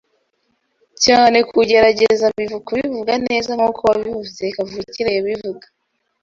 cyane kuruta kugerageza kubivuga neza nkuko uwabivuze kavukire yabivuga.